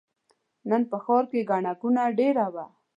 نن په ښار کې ګڼه ګوڼه ډېره ده.